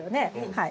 はい。